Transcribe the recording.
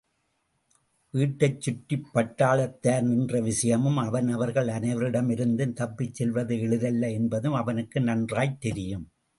வீட்டைச்சுற்றிப்பட்டாளத்தார் நின்ற விஷயமும், அவன் அவர்கள் அனைவரிடமிருந்தும் தப்பிச்செல்வது எளிதல்ல என்பதும் அவனுக்கு நன்றாய்த் தெரியும்.